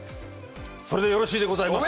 それでよろしいでございます。